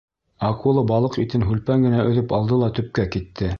Акула балыҡ итен һүлпән генә өҙөп алды ла төпкә китте.